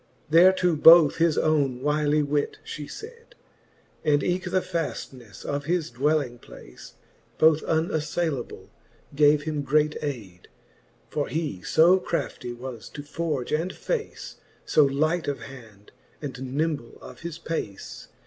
Thereto both his owne wylie wit, fhe fayd, And eke the faftnefle of his dwelling place, Both unafTaylable, gave him great ayde : For he fo crafty was to forge and face, So light of hand, and nymble of his pace.